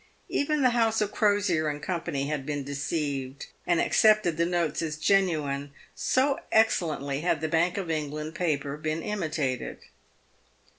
Even the house of Crosier and Company had been deceived, and ac cepted the notes as genuine, so excellently had the Bank of England paper been imitated.